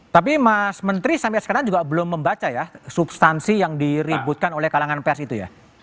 tapi mas menteri sampai sekarang juga belum membaca ya substansi yang diributkan oleh kalangan pers itu ya